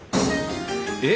えっ！